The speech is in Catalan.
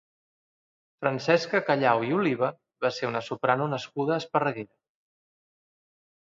Francesca Callao i Oliva va ser una soprano nascuda a Esparreguera.